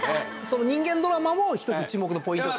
その人間ドラマも１つ注目のポイントと。